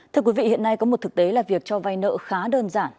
thưa quý vị hiện nay có một thực tế là việc cho vay nợ khá đơn giản